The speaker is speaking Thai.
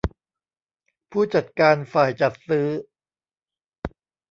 ผู้จัดการฝ่ายจัดซื้อ